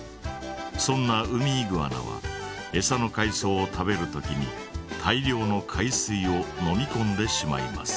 そんなウミイグアナはエサの海そうを食べる時に大量の海水を飲みこんでしまいます。